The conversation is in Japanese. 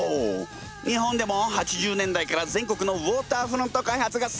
日本でも８０年代から全国のウォーターフロント開発がさかんに！